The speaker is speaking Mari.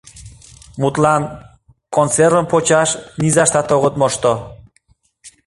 Мутлан, консервым почаш низаштат огыт мошто.